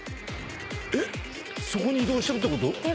えっそこに移動してるってこと？